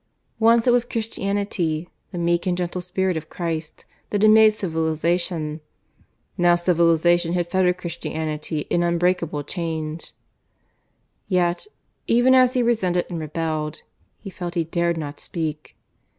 Once it was Christianity the meek and gentle spirit of Christ that had made civilization; now civilization had fettered Christianity in unbreakable chains. ... Yet even as he resented and rebelled, he felt he dared not speak.